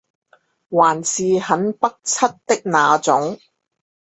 還是很北七的那種